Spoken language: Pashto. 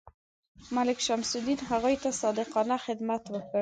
ملک شمس الدین هغوی ته صادقانه خدمت وکړ.